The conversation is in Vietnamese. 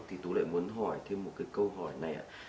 thì tôi lại muốn hỏi thêm một câu hỏi này